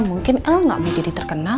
mungkin el gak mau jadi terkenal